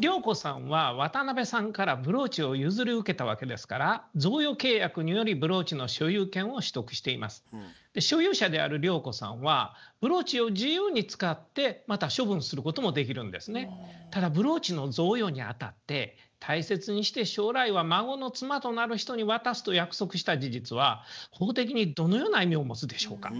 涼子さんは渡辺さんからブローチを譲り受けたわけですからただブローチの贈与にあたって「大切にして将来は孫の妻となる人に渡す」と約束した事実は法的にどのような意味を持つでしょうか。